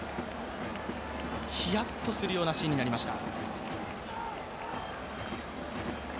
ひやっとするようなシーンになりました。